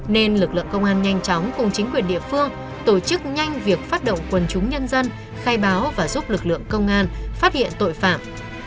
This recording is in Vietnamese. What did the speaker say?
nên lực lượng công an nhanh chóng cùng chính quyền địa phương tổ chức nhanh việc phát động quần chúng nhân dân khai báo và giúp lực lượng công an phát hiện tội phạm